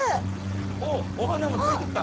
おっオハナもついてった。